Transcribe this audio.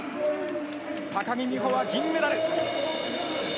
高木美帆は銀メダル！